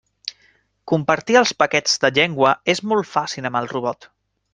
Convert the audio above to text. Compartir els paquets de llengua és molt fàcil amb el robot.